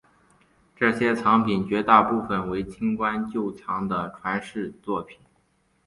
这些藏品绝大部分为清宫旧藏的传世作品。